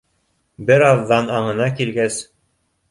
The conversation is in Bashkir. Бер аҙҙан аңына килгәс: